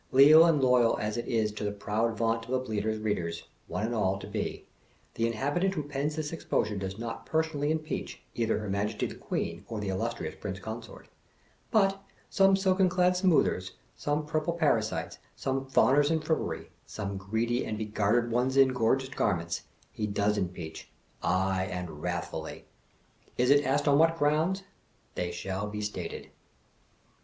Leal and loyal as it is the proud vaunt of the Bleater' s readers, one and all, to be, the in habitant who pens this exposure does not personally im peach, either her Majesty the Queen, or the illustrious 300 Prince Consort. But, some silken clad smoothers, some purple parasites, some fawners in frippery, some greedy and begartered ones in. gorgeous garments, he does impeach — ay, and ■wrathfully! Is it asked on what grounds? They shall be stated.